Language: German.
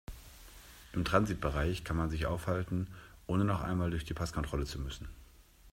Im Transitbereich kann man sich aufhalten, ohne noch einmal durch die Passkontrolle zu müssen.